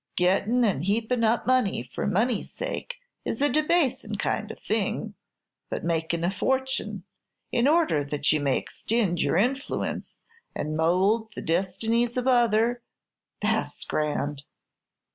Gettin' and heapin' up money for money's sake is a debasin' kind of thing; but makin' a fortune, in order that you may extind your influence, and mowld the distinies of others, that's grand."